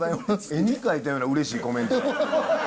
絵に描いたようなうれしいコメント。